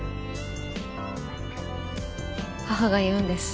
母が言うんです。